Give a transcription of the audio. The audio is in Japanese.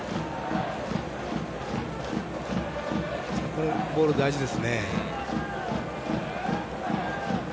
このボールが大事ですね。